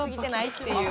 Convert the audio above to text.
っていう。